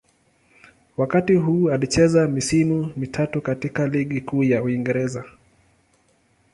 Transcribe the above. Wakati huu alicheza misimu mitatu katika Ligi Kuu ya Uingereza.